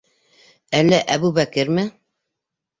Әллә Әбүбәкерме?